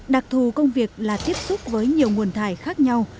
đặc thù công việc là tiếp xúc với nhiều nguồn thải khác nhau